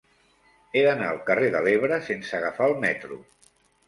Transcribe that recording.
He d'anar al carrer de l'Ebre sense agafar el metro.